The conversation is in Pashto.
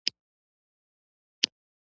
یعنې ایرانیان د افغانستان د استقلال عاشقان وو.